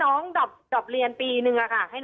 ตอนที่จะไปอยู่โรงเรียนนี้แปลว่าเรียนจบมไหนคะ